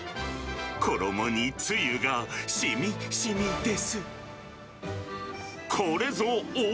衣につゆがしみっしみです。